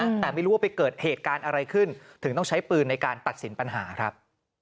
แต่ไม่รู้ว่าไปเกิดเหตุการณ์อะไรขึ้นถึงต้องใช้ปืนในการตัดสินปัญหาครับ